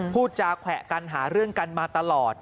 พูดจาแขวะกันหาเรื่องกันมาตลอด